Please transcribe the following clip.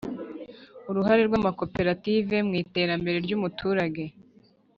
Uruhare rw amakoperative mu iterambere ry umuturage